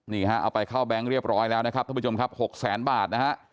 เอาไปเข้าแบงค์เรียบร้อยแล้วนะครับท่านผู้ชมครับ๖แสนบาทนะฮะ